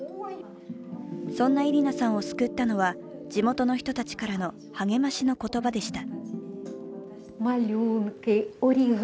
そんなイリナさんを救ったのは地元の人たちからの励ましの言葉でした。